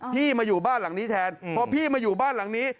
พี่มาอยู่บ้านหลังนี้แทนพอพี่มาอยู่บ้านหลังนี้